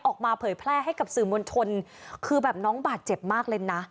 เผยแพร่ให้กับสื่อมวลชนคือแบบน้องบาดเจ็บมากเลยนะ